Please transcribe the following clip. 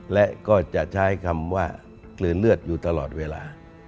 และก็จะใช้คำว่ากลืนเลือดอยู่ตลอดเวลา